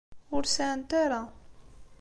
Ur sɛant ara.